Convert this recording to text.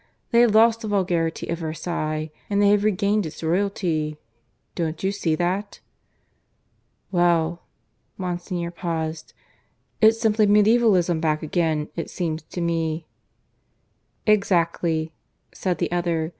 They have lost the vulgarity of Versailles, and they have regained its royalty. Don't you see that?" "Well!" Monsignor paused. "It's simply medievalism back again, it seems to me." "Exactly!" said the other.